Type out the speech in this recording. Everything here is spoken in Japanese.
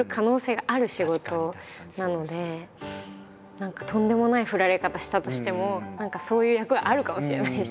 何かとんでもない振られ方したとしても何かそういう役があるかもしれないし。